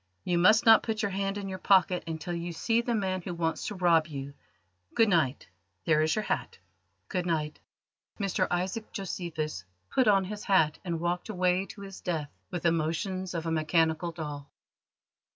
You must not put your hand in your pocket until you see the man who wants to rob you. Good night. There is your hat." "Good night!" Mr Isaac Josephus put on his hat and walked away to his death with the motions of a mechanical doll.